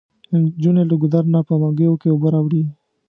انجونې له ګودر نه په منګيو کې اوبه راوړي.